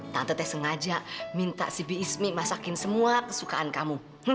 tante teh sengaja minta si bismi masakin semua kesukaan kamu